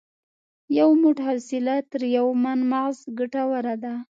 یو موټ حوصله تر یو من مغز ګټوره ده.